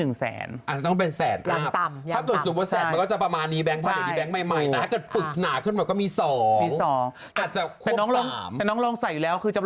เอ่าต้องเป็นแสนกับนะต่ำหลังต่ำ